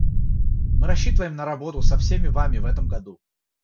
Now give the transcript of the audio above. Мы рассчитываем на работу со всеми вами в этом году.